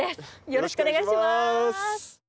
よろしくお願いします。